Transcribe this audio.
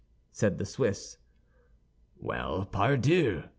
said the Swiss. "Well, _pardieu!